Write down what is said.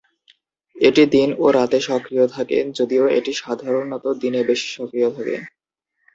এটি দিন ও রাতে সক্রিয় থাকে, যদিও এটি সাধারণত দিনে বেশি সক্রিয় থাকে।